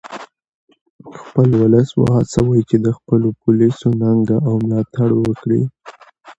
خپل ولس و هڅوئ چې د خپلو پولیسو ننګه او ملاتړ وکړي